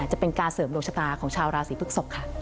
จะเป็นการเสริมดวงชะตาของชาวราศีพฤกษกค่ะ